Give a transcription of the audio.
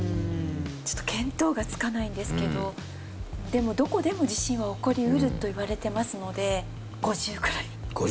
ちょっと見当がつかないんですけどでもどこでも地震は起こり得るといわれてますので５０ぐらい。